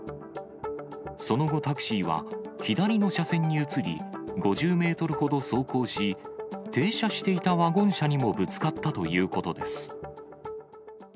その後、タクシーは左の車線に移り、５０メートルほど走行し、停車していたワゴン車にもぶつかったということです。